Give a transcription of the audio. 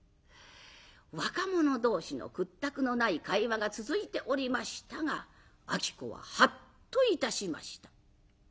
若者同士のくったくのない会話が続いておりましたが子はハッといたしました。